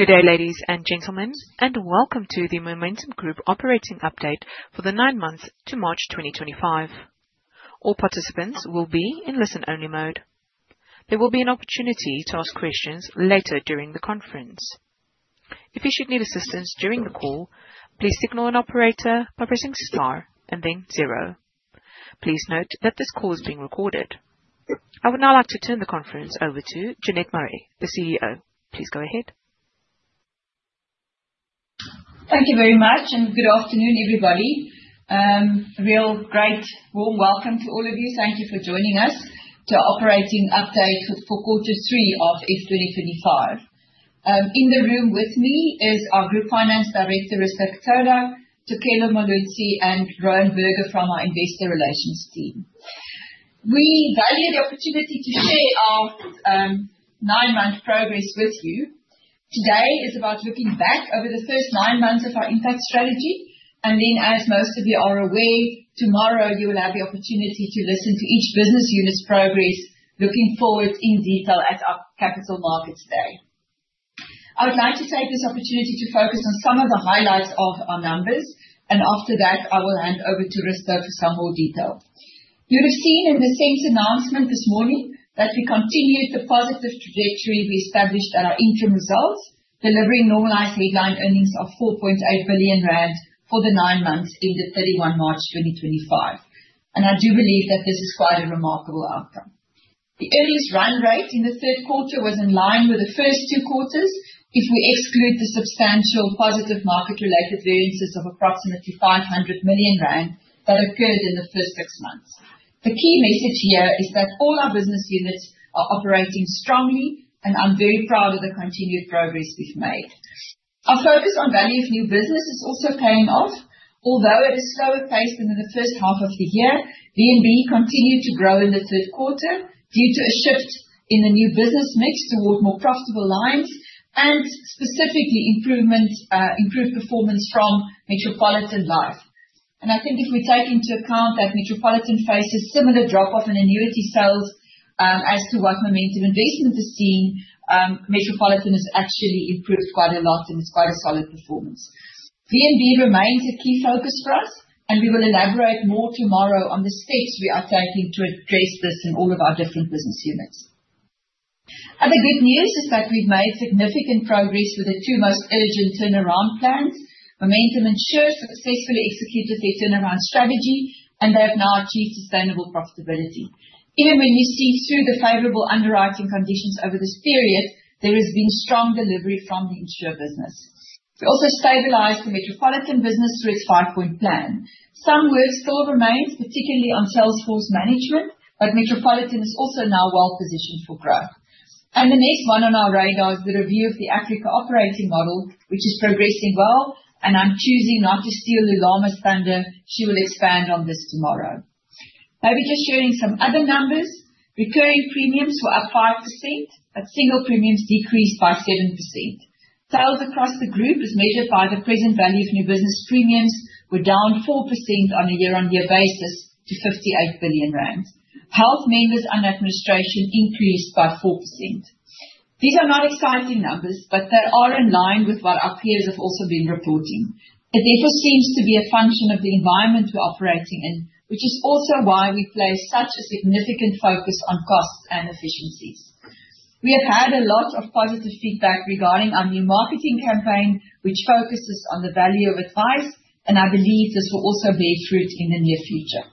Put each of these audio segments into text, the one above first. Good day, ladies and gentlemen, and welcome to the Momentum Group operating update for the nine months to March 2025. All participants will be in listen-only mode. There will be an opportunity to ask questions later during the conference. If you should need assistance during the call, please signal an operator by pressing star and then zero. Please note that this call is being recorded. I would now like to turn the conference over to Jeanette Marais, the CEO. Please go ahead. Thank you very much, and good afternoon, everybody. A real great warm welcome to all of you. Thank you for joining us to our operating update for Quarter Three of F2025. In the room with me are our Group Finance Director, Risto Ketola, Tekela Moyane, and Rowan Berger from our Investor Relations team. We value the opportunity to share our nine-month progress with you. Today is about looking back over the first nine months of our impact strategy. As most of you are aware, tomorrow you will have the opportunity to listen to each business unit's progress, looking forward in detail at our Capital Markets Day. I would like to take this opportunity to focus on some of the highlights of our numbers, and after that, I will hand over to Risto for some more detail. You would have seen in the SEMS announcement this morning that we continued the positive trajectory we established at our interim results, delivering normalized headline earnings of R 4.8 billion for the nine months ended 31 March 2025. I do believe that this is quite a remarkable outcome. The earliest run rate in the third quarter was in line with the first two quarters if we exclude the substantial positive market-related variances of approximately R 500 million that occurred in the first six months. The key message here is that all our business units are operating strongly, and I'm very proud of the continued progress we've made. Our focus on value of new business is also paying off. Although at a slower pace than in the first half of the year, VNB continued to grow in the third quarter due to a shift in the new business mix toward more profitable lines and specifically improved performance from Metropolitan Life. I think if we take into account that Metropolitan faces a similar drop-off in annuity sales as to what Momentum Investments has seen, Metropolitan has actually improved quite a lot, and it is quite a solid performance. VNB remains a key focus for us, and we will elaborate more tomorrow on the steps we are taking to address this in all of our different business units. Other good news is that we have made significant progress with the two most urgent turnaround plans. Momentum Insure successfully executed their turnaround strategy, and they have now achieved sustainable profitability. Even when you see through the favorable underwriting conditions over this period, there has been strong delivery from the insurer business. We also stabilized the Metropolitan business through its five-point plan. Some work still remains, particularly on sales force management, but Metropolitan is also now well-positioned for growth. The next one on our radar is the review of the Africa operating model, which is progressing well, and I'm choosing not to steal Lilama's thunder. She will expand on this tomorrow. Maybe just sharing some other numbers. Recurring premiums were up 5%, but single premiums decreased by 7%. Sales across the group, as measured by the present value of new business premiums, were down 4% on a year-on-year basis to 58 billion rand. Health members and administration increased by 4%. These are not exciting numbers, but they are in line with what our peers have also been reporting. It therefore seems to be a function of the environment we're operating in, which is also why we place such a significant focus on cost and efficiencies. We have had a lot of positive feedback regarding our new marketing campaign, which focuses on the value of advice, and I believe this will also bear fruit in the near future.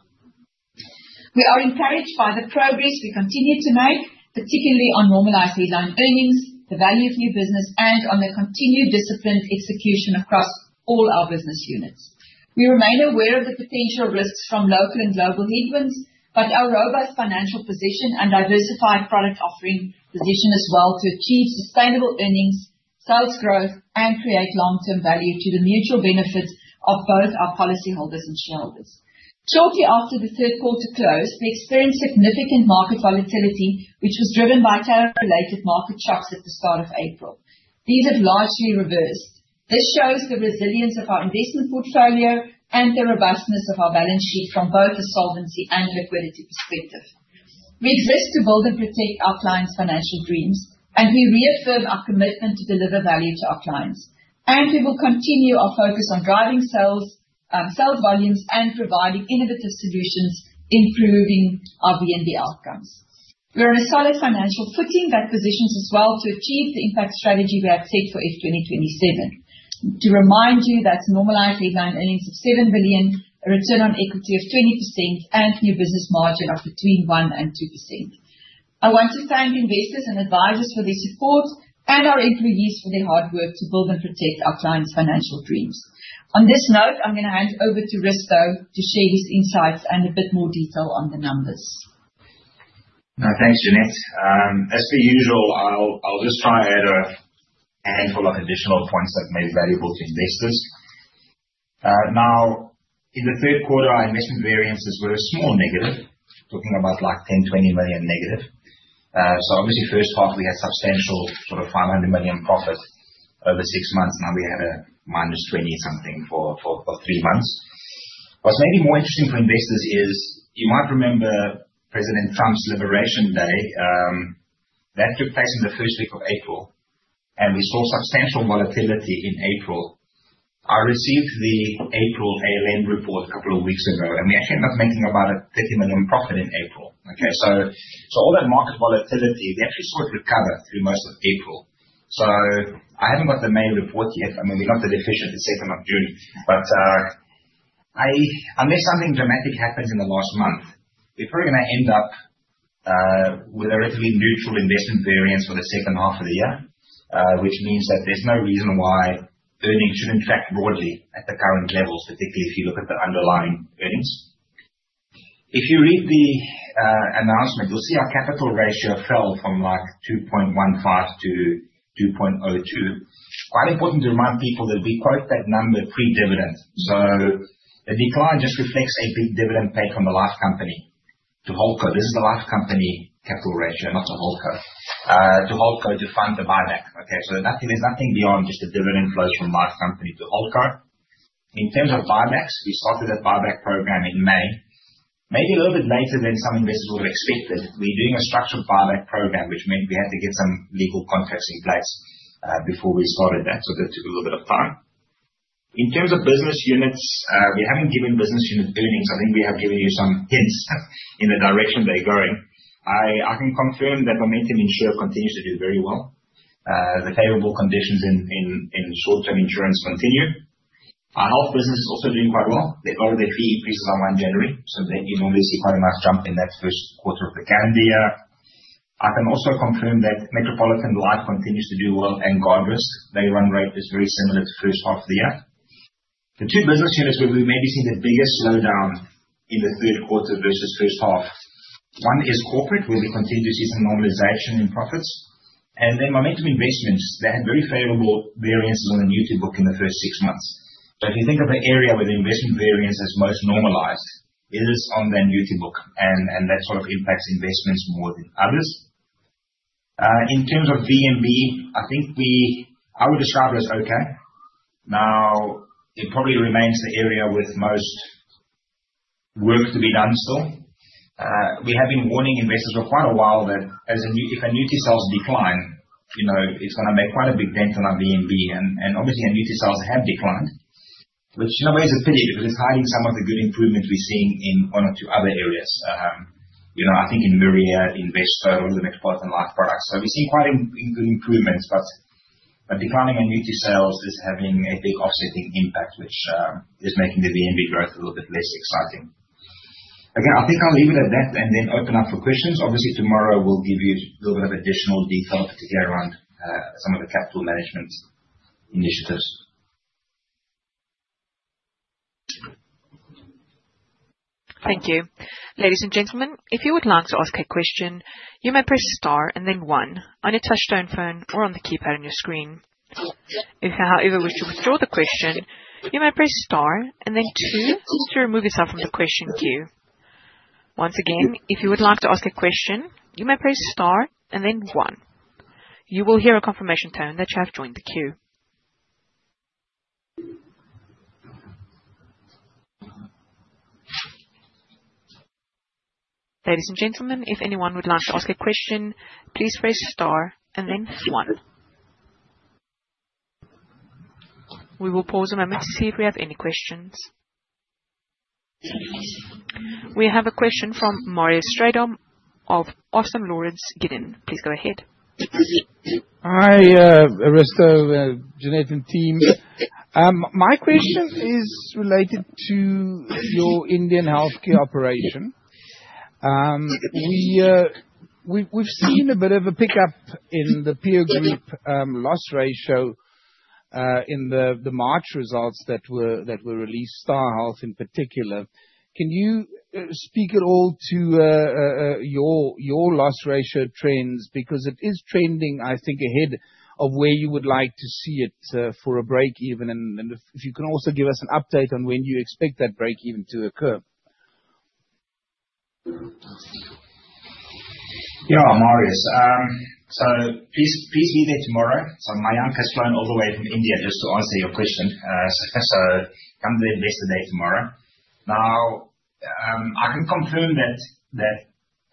We are encouraged by the progress we continue to make, particularly on normalized headline earnings, the value of new business, and on the continued disciplined execution across all our business units. We remain aware of the potential risks from local and global headwinds, but our robust financial position and diversified product offering position us well to achieve sustainable earnings, sales growth, and create long-term value to the mutual benefit of both our policyholders and shareholders. Shortly after the third quarter closed, we experienced significant market volatility, which was driven by tariff-related market shocks at the start of April. These have largely reversed. This shows the resilience of our investment portfolio and the robustness of our balance sheet from both a solvency and liquidity perspective. We exist to build and protect our clients' financial dreams, and we reaffirm our commitment to deliver value to our clients. We will continue our focus on driving sales, sales volumes, and providing innovative solutions, improving our BNB outcomes. We are on a solid financial footing that positions us well to achieve the impact strategy we have set for 2027. To remind you, that is normalized headline earnings of 7 billion, a return on equity of 20%, and new business margin of between 1-2%. I want to thank investors and advisors for their support and our employees for their hard work to build and protect our clients' financial dreams. On this note, I'm going to hand over to Risto to share his insights and a bit more detail on the numbers. Thanks, Jeanette. As per usual, I'll just try and add a handful of additional points that may be valuable to investors. Now, in the third quarter, our investment variances were a small negative, talking about like 10 million, 20 million negative. Obviously, first half, we had substantial sort of 500 million profit over six months. Now we had a minus 20-something for three months. What's maybe more interesting for investors is you might remember President Trump's Liberation Day. That took place in the first week of April, and we saw substantial volatility in April. I received the April ALM report a couple of weeks ago, and we actually ended up making about a 30 million profit in April. Okay, all that market volatility, we actually saw it recover through most of April. I haven't got the main report yet. I mean, we're not that efficient the second of June, but, unless something dramatic happens in the last month, we're probably going to end up with a relatively neutral investment variance for the second half of the year, which means that there's no reason why earnings shouldn't track broadly at the current levels, particularly if you look at the underlying earnings. If you read the announcement, you'll see our capital ratio fell from R 2.15 to R 2.02. Quite important to remind people that we quote that number pre-dividend. The decline just reflects a big dividend paid from the life company to Holco. This is the life company capital ratio, not the Holco, to Holco to fund the buyback. Okay, so there's nothing beyond just the dividend flows from life company to Holco. In terms of buybacks, we started that buyback program in May, maybe a little bit later than some investors would have expected. We're doing a structured buyback program, which meant we had to get some legal contracts in place before we started that, so that took a little bit of time. In terms of business units, we haven't given business unit earnings. I think we have given you some hints in the direction they're going. I can confirm that Momentum Insure continues to do very well. The favorable conditions in short-term insurance continue. Our health business is also doing quite well. They got their fee increases on 1 January, so then you normally see quite a nice jump in that first quarter of the calendar year. I can also confirm that Metropolitan Life continues to do well and Guardrisk. Their run rate is very similar to first half of the year. The two business units where we may be seeing the biggest slowdown in the third quarter versus first half, one is corporate, where we continue to see some normalization in profits. Then Momentum Investments, they had very favorable variances on the annuity book in the first six months. If you think of the area where the investment variance has most normalized, it is on the annuity book, and that sort of impacts investments more than others. In terms of VNB, I think we, I would describe it as okay. Now, it probably remains the area with most work to be done still. We have been warning investors for quite a while that as a new, if annuity sales decline, you know, it's going to make quite a big dent on our VNB, and, and obviously annuity sales have declined, which in a way is a pity because it's hiding some of the good improvements we're seeing in one or two other areas, you know, I think in Metropolitan Life, Investo, all the Metropolitan Life products. We have seen quite good improvements, but declining annuity sales is having a big offsetting impact, which is making the VNB growth a little bit less exciting. Okay, I think I'll leave it at that and then open up for questions. Obviously, tomorrow we'll give you a little bit of additional detail, particularly around some of the capital management initiatives. Thank you. Ladies and gentlemen, if you would like to ask a question, you may press star and then one on your touchstone phone or on the keypad on your screen. If, however, you wish to withdraw the question, you may press star and then two to remove yourself from the question queue. Once again, if you would like to ask a question, you may press star and then one. You will hear a confirmation tone that you have joined the queue. Ladies and gentlemen, if anyone would like to ask a question, please press star and then one. We will pause a moment to see if we have any questions. We have a question from Marius Streda of Austin Lawrence. Please go ahead. Hi, Risto and Jeanette and team. My question is related to your Indian healthcare operation. We've seen a bit of a pickup in the peer group loss ratio in the March results that were released, Star Health in particular. Can you speak at all to your loss ratio trends? Because it is trending, I think, ahead of where you would like to see it for a break even. If you can also give us an update on when you expect that break even to occur. Yeah, I'm Marius. Please, please be there tomorrow. Moyane has flown all the way from India just to answer your question, so come to the investor day tomorrow. Now, I can confirm that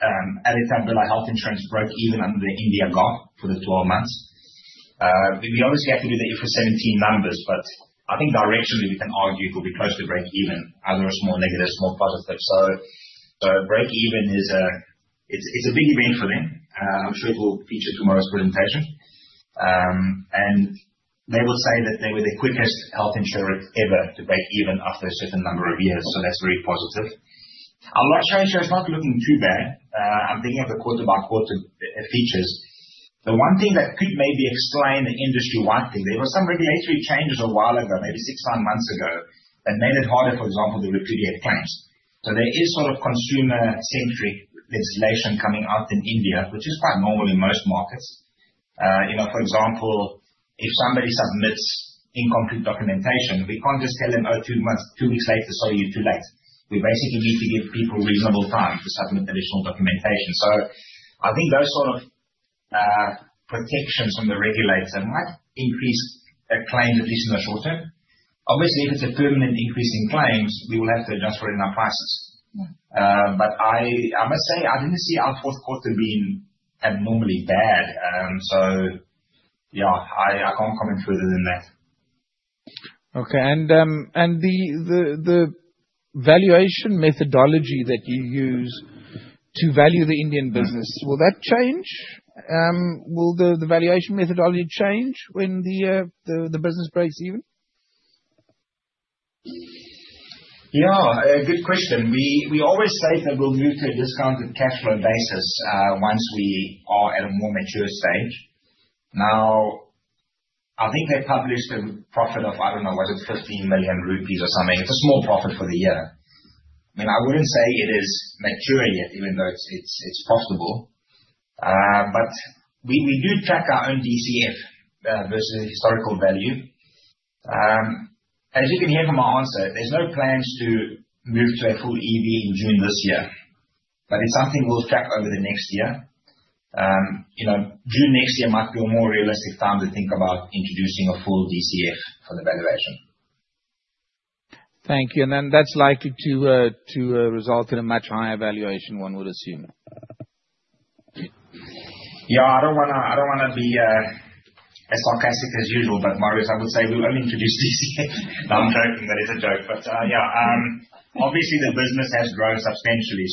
Altibula Health Insurance broke even under the India GAAP for the 12 months. We obviously have to do the F17 numbers, but I think directionally we can argue it will be close to break even, other small negatives, small positives. Break even is a big event for them. I'm sure it will feature in tomorrow's presentation, and they would say that they were the quickest health insurer ever to break even after a certain number of years, so that's very positive. Our loss ratio is not looking too bad. I'm thinking of the quarter-by-quarter features. The one thing that could maybe explain the industry widening, there were some regulatory changes a while ago, maybe six, nine months ago, that made it harder, for example, to repudiate claims. There is sort of consumer-centric legislation coming out in India, which is quite normal in most markets. You know, for example, if somebody submits incomplete documentation, we can't just tell them, "Oh, two months, two weeks later, sorry, you're too late." We basically need to give people reasonable time to submit additional documentation. I think those sort of protections from the regulator might increase claims, at least in the short term. Obviously, if it's a permanent increase in claims, we will have to adjust for it in our prices. I must say, I didn't see our fourth quarter being abnormally bad. Yeah, I can't comment further than that. Okay. The valuation methodology that you use to value the Indian business, will that change? Will the valuation methodology change when the business breaks even? Yeah, good question. We always state that we'll move to a discounted cash flow basis, once we are at a more mature stage. Now, I think they published a profit of, I don't know, was it R 15 million or something? It's a small profit for the year. I mean, I wouldn't say it is mature yet, even though it's profitable. We do track our own DCF, versus historical value. As you can hear from our answer, there's no plans to move to a full EV in June this year, but it's something we'll track over the next year. You know, June next year might be a more realistic time to think about introducing a full DCF for the valuation. Thank you. That is likely to result in a much higher valuation, one would assume. Yeah, I don't want to, I don't want to be as sarcastic as usual, but Marius, I would say we'll only introduce DCF. No, I'm joking. That is a joke. Yeah, obviously the business has grown substantially.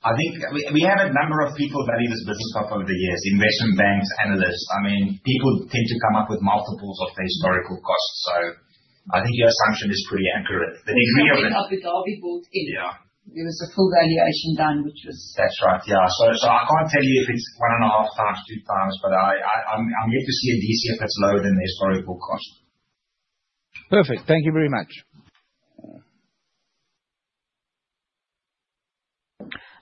I think we have a number of people value this business stock over the years, investment banks, analysts. I mean, people tend to come up with multiples of their historical costs. I think your assumption is pretty accurate. The degree of it. It wasn't Abu Dhabi bought in. Yeah. There was a full valuation done, which was. That's right. Yeah. I can't tell you if it's one and a half times, two times, but I'm yet to see a DCF that's lower than the historical cost. Perfect. Thank you very much.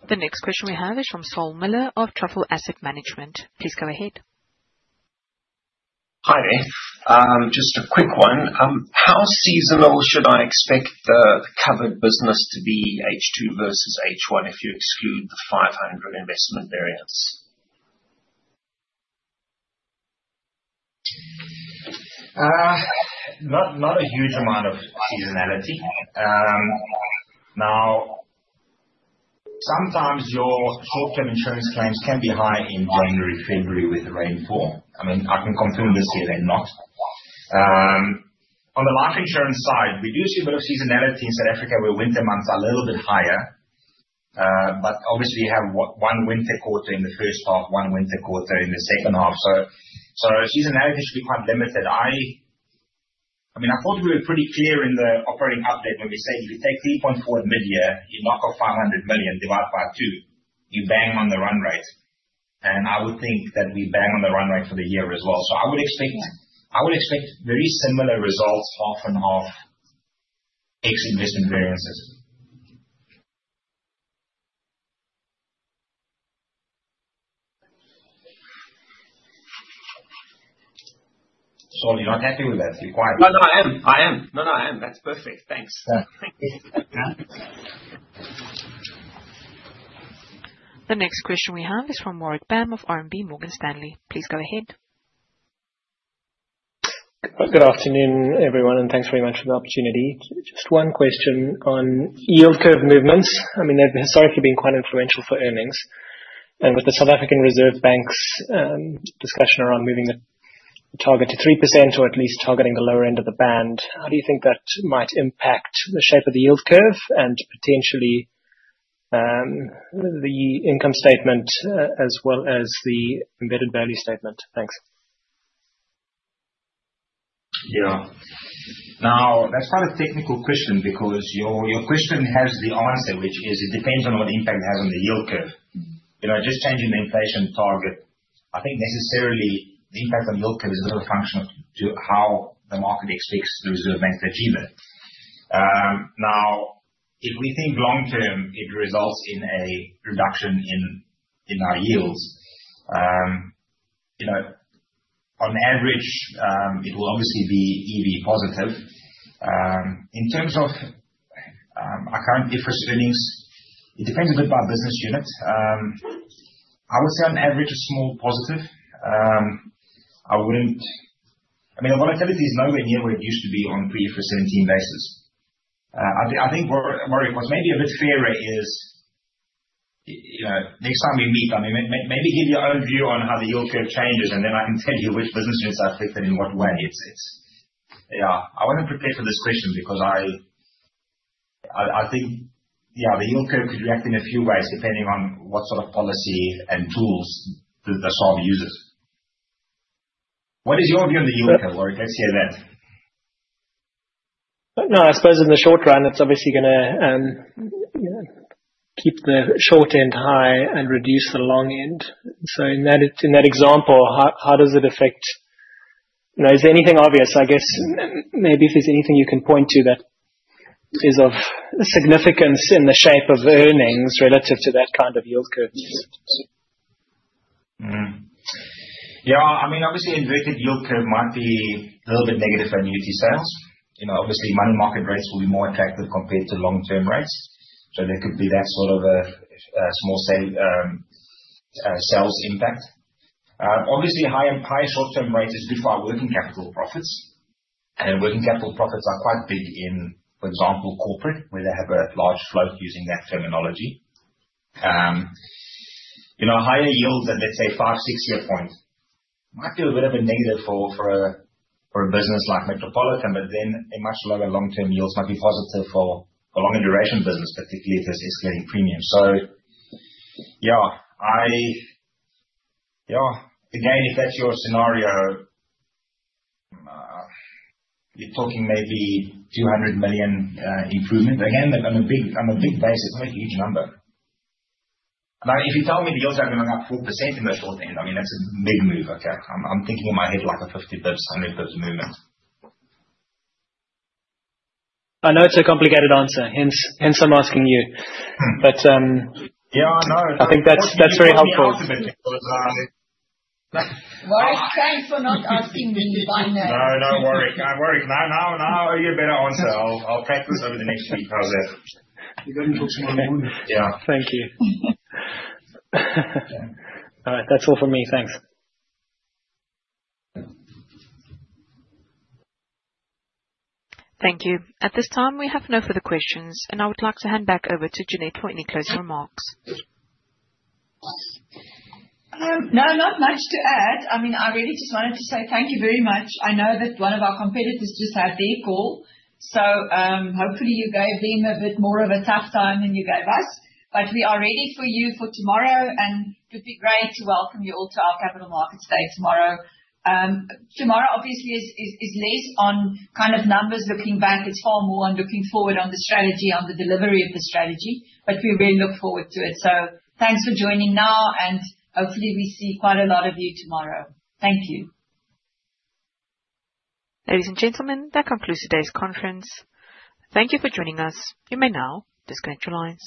The next question we have is from Sol Miller of Truffle Asset Management. Please go ahead. Hi there. Just a quick one. How seasonal should I expect the covered business to be, H2 versus H1, if you exclude the R 500 million investment variance? Not a huge amount of seasonality. Now, sometimes your short-term insurance claims can be high in January, February with rainfall. I mean, I can confirm this year they're not. On the life insurance side, we do see a bit of seasonality in South Africa where winter months are a little bit higher. Obviously you have one winter quarter in the first half, one winter quarter in the second half. Seasonality should be quite limited. I mean, I thought we were pretty clear in the operating update when we said if you take 3.4 billion at mid-year, you knock off 500 million, divide by two, you bang on the run rate. I would think that we bang on the run rate for the year as well. I would expect very similar results off and off ex-investment variances. Sol, you're not happy with that? You're quiet. No, I am. I am. No, I am. That's perfect. Thanks. The next question we have is from Morag Bam of RMB Morgan Stanley. Please go ahead. Good afternoon, everyone, and thanks very much for the opportunity. Just one question on yield curve movements. I mean, they've historically been quite influential for earnings. With the South African Reserve Bank's discussion around moving the target to 3% or at least targeting the lower end of the band, how do you think that might impact the shape of the yield curve and potentially, the income statement as well as the embedded value statement? Thanks. Yeah. Now, that's quite a technical question because your question has the answer, which is it depends on what impact it has on the yield curve. You know, just changing the inflation target, I think necessarily the impact on yield curve is a bit of a function of to how the market expects the Reserve Bank to achieve it. Now, if we think long-term, it results in a reduction in our yields. You know, on average, it will obviously be EV positive. In terms of account difference earnings, it depends a bit by business unit. I would say on average a small positive. I wouldn't, I mean, the volatility is nowhere near where it used to be on pre-2017 basis. I think what, what's maybe a bit fairer is, you know, next time we meet, I mean, maybe give your own view on how the yield curve changes, and then I can tell you which business units are affected in what way. It's, it's, yeah, I wasn't prepared for this question because I think, yeah, the yield curve could react in a few ways depending on what sort of policy and tools the SOB uses. What is your view on the yield curve, Laurie? Let's hear that. No, I suppose in the short run, it's obviously going to keep the short end high and reduce the long end. In that example, how does it affect, you know, is there anything obvious? I guess maybe if there's anything you can point to that is of significance in the shape of earnings relative to that kind of yield curve. Yeah. I mean, obviously inverted yield curve might be a little bit negative on UT sales. You know, obviously money market rates will be more attractive compared to long-term rates. There could be that sort of a small sales impact. Obviously high short-term rate is good for our working capital profits. And working capital profits are quite big in, for example, corporate, where they have a large float using that terminology. You know, higher yields at, let's say, five, six-year point might be a bit of a negative for a business like Metropolitan, but then much lower long-term yields might be positive for longer duration business, particularly if there's escalating premiums. Yeah, again, if that's your scenario, you're talking maybe 200 million improvement. Again, on a big basis, not a huge number. Now, if you tell me the yields are going up 4% in the short end, I mean, that's a big move. Okay. I'm thinking in my head like a 50 basis points, 100 basis points movement. I know it's a complicated answer, hence I'm asking you. But, Yeah, I know. I think that's very helpful. Marius, thanks for not asking me to buy now. No, no worry. Don't worry. Now, now you're a better answer. I'll practice over the next week. How's that? You're going to talk to my mom. Yeah. Thank you. All right. That's all from me. Thanks. Thank you. At this time, we have no further questions, and I would like to hand back over to Jeanette for any closing remarks. No, not much to add. I mean, I really just wanted to say thank you very much. I know that one of our competitors just had their call. Hopefully you gave them a bit more of a tough time than you gave us. We are ready for you for tomorrow, and it would be great to welcome you all to our Capital Markets Day tomorrow. Tomorrow obviously is less on kind of numbers looking back. It is far more on looking forward on the strategy, on the delivery of the strategy. We really look forward to it. Thanks for joining now, and hopefully we see quite a lot of you tomorrow. Thank you. Ladies and gentlemen, that concludes today's conference. Thank you for joining us. You may now disconnect your lines.